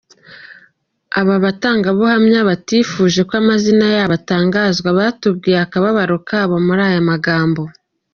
Aba batangabuhamya batifuje ko amazina yabo atangazwa, batubwiye akababaro kabo muri aya magambo.